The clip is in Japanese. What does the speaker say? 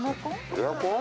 エアコン？